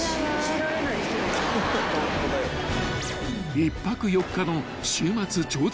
［１泊４日の週末超絶